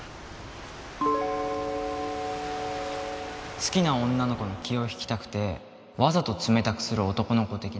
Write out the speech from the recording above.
好きな女の子の気を引きたくてわざと冷たくする男の子的な？